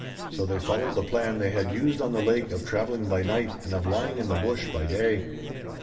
So they followed the plan they had used on the lake of traveling by night and of lying in the bush by day.